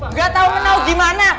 nggak tahu menau gimana